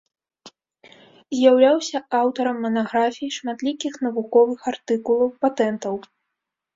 З'яўляўся аўтарам манаграфій, шматлікіх навуковых артыкулаў, патэнтаў.